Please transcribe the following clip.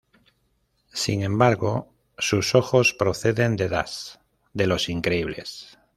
Sin embargo, sus ojos proceden de Dash de "Los Increíbles".